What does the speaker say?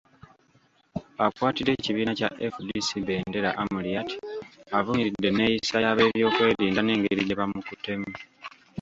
Akwatidde ekibiina kya FDC bbendera, Amuriat, avumiridde enneeyisa y'abeebyokwerinda n'engeri gye bamukuttemu.